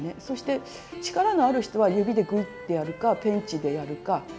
そして力のある人は指でグイッてやるかペンチでやるか。